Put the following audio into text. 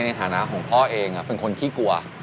ในฐานะของพ่อเองเป็นคนขี้กลัว